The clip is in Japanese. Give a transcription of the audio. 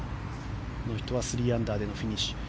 この人は３アンダーでのフィニッシュ。